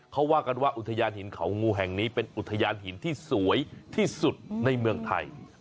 เขาว่ากันว่าอุทยานหินเขางูแห่งนี้เป็นอุทยานหินที่สวยที่สุดในเมืองไทย